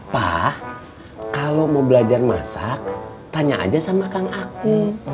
pak kalau mau belajar masak tanya aja sama kang aku